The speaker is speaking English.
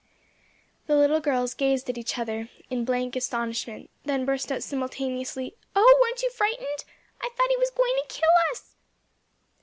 The little girls gazed at each other in blank astonishment; then burst out simultaneously, "Oh, weren't you frightened? I thought he was going to kill us!"